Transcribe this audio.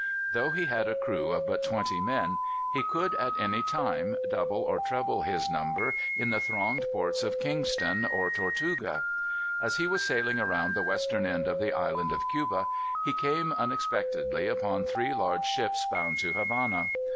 Though he had a crew of but twenty men, he could at any time double or treble his number in the thronged ports of Kingston or Tortuga. As he was sailing around the western end of the Island of Cuba, he came unexpectedly upon three large ships bound to Havana.